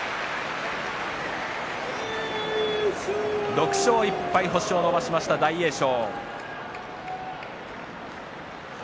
６勝１敗星を伸ばしました、大栄翔。